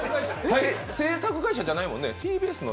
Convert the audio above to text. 制作会社じゃないもんね、ＴＢＳの？